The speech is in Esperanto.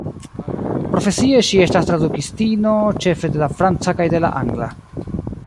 Profesie ŝi estas tradukistino, ĉefe de la franca kaj de la angla.